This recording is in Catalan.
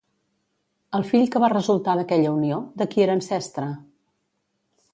El fill que va resultar d'aquella unió, de qui era ancestre?